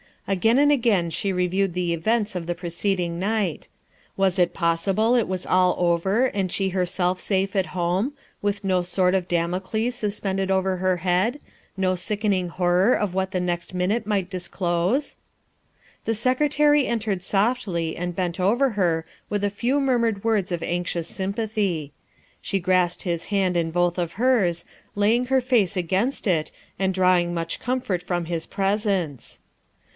Again and again she reviewed the events of the pre ceding night. Was it possible it was all over, and she herself safe at home, with no sword of Damocles sus pended over her head, no sickening horror of what the next minute might disclose? The Secretary entered softly and bent over her with a few murmured words of anxious sympathy. She grasped his hand in both of hers, laying her face against it, and drawing much comfort from his presence.